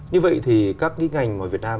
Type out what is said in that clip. như vậy thì các cái ngành ở việt nam